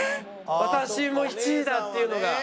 私も１位だっていうのが。